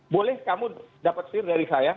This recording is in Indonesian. boleh kamu dapat fee dari saya